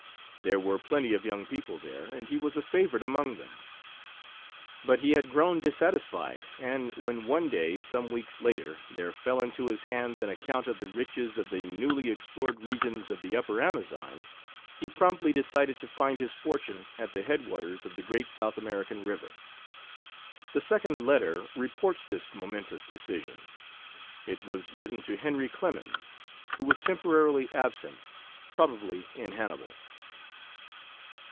There were plenty of young people there, and he was a favorite among them. But he had grown dissatisfied, and when one day some weeks later there fell into His hands an account of the riches of the newly explored regions of the upper Amazon, he promptly decided to find his fortune at the headwaters of the great South American river. The second letter reports this momentous decision. It was written to Henry Clemens, who was temporarily absent probably in Hannibal.